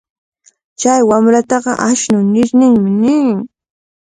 Chay wamrataqa ashnu nirmi nin.